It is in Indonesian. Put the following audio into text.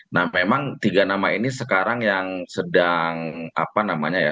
nah memang tiga nama ini sekarang yang sedang apa namanya ya